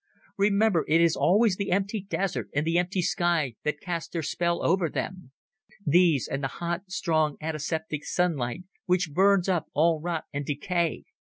Remember, it is always the empty desert and the empty sky that cast their spell over them—these, and the hot, strong, antiseptic sunlight which burns up all rot and decay.